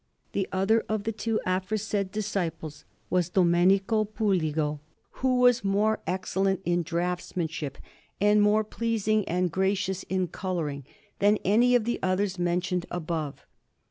The other of the two aforesaid disciples was Domenico Puligo, who was more excellent in draughtsmanship and more pleasing and gracious in colouring than any of the others mentioned above.